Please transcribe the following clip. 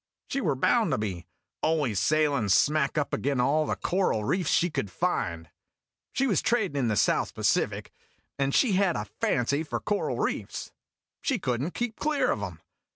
"She were bound to be always sailing smack up ag'in' all the coral reefs she could find. She was tradin' in the South Pacific, and she had 215 2l6 IMAGINOTIONS a fancy for coral reefs. She could n't keep clear of 'em.